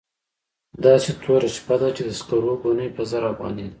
داسې توره شپه ده چې د سکرو ګونۍ په زر افغانۍ ده.